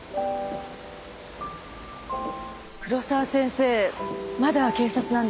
黒沢先生まだ警察なんですか？